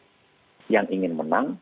politik yang ingin menang